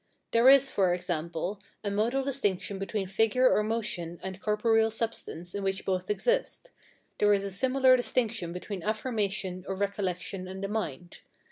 There is, for example, a modal distinction between figure or motion and corporeal substance in which both exist; there is a similar distinction between affirmation or recollection and the mind.